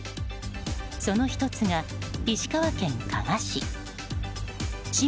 その１つが石川県加賀市。